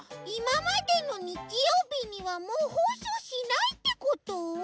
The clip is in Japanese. いままでのにちようびにはもうほうそうしないってこと？